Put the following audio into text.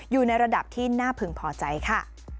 อยู่ในระดับที่น่าพึงพอใจค่ะ